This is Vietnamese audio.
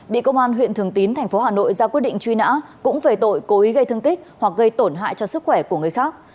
bị công an huyện thường tín thành phố hà nội ra quyết định truy nã cũng về tội cối gây thương tích hoặc gây tổn hại cho sức khỏe của người khác